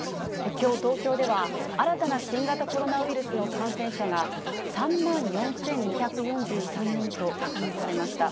きょう東京では、新たな新型コロナウイルスの感染者が、３万４２４３人と確認されました。